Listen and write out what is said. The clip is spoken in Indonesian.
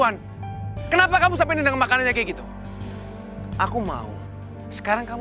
naura tolong buka ini aku arka